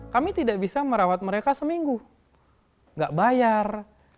kami tidak bisa merawat mereka seminggu nggak bayar